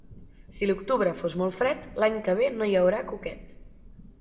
Si l'octubre fos molt fred, l'any que ve no hi haurà cuquet.